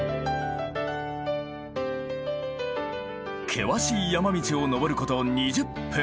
険しい山道を登ること２０分。